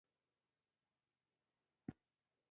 ژېړ ژېړ غاښونه یې په لاندې شونډه کې خښ کړل.